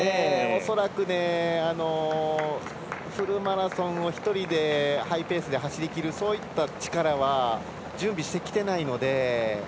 恐らくフルマラソンを１人でハイペースで走りきるそういう力は準備してきてないので。